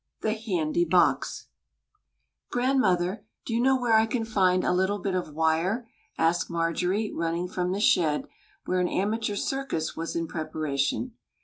THE HANDY BOX "Grandmother, do you know where I can find a little bit of wire?" asked Marjorie, running from the shed, where an amateur circus was in preparation.